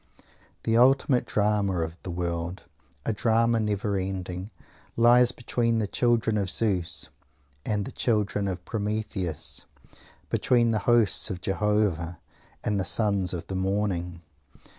The ultimate drama of the world, a drama never ending, lies between the children of Zeus and the children of Prometheus; between the hosts of Jehovah and the Sons of the Morning.